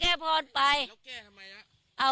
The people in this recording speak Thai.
แก้พ่ามันทำยังไง